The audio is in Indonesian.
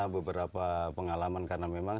beberapa pengalaman karena memang